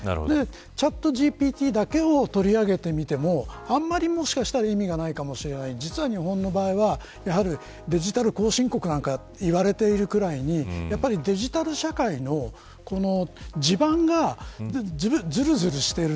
チャットＧＰＴだけを取り上げてみてももしかしたらあんまり意味がないかもしれない日本の場合はデジタル後進国といわれているくらいデジタル社会の地盤がずるずるしている。